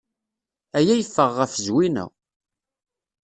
Aya yeffeɣ ɣef Zwina.